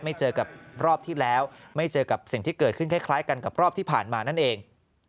เจอกับรอบที่แล้วไม่เจอกับสิ่งที่เกิดขึ้นคล้ายกันกับรอบที่ผ่านมานั่นเอง